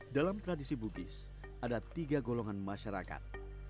dalam tradisi bugis ada tiga golongan masyarakat